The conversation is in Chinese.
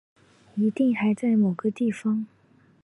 一定还在某个地方